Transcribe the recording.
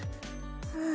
うん。